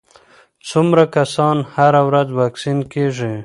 څومره کسان هره ورځ واکسین کېږي؟